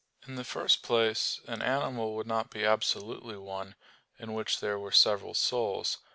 In the first place, an animal would not be absolutely one, in which there were several souls.